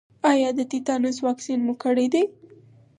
ایا د تیتانوس واکسین مو کړی دی؟